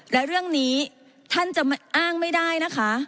และเรื่องนี้ท่านจะอ้างไม่ได้นะคะ